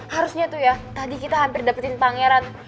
harusnya tuh ya tadi kita hampir dapetin pangeran